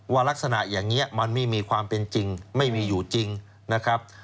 ลักษณะอย่างนี้มันไม่มีความเป็นจริงไม่มีอยู่จริงนะครับ